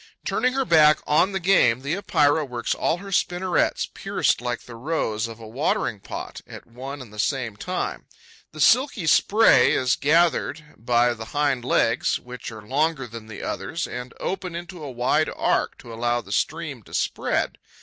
Turning her back on the game, the Epeira works all her spinnerets, pierced like the rose of a watering pot, at one and the same time. The silky spray is gathered by the hind legs, which are longer than the others and open into a wide arc to allow the stream to spread.